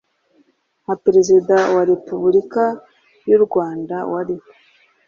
nka Perezida wa Repubulika y,uRwanda wariho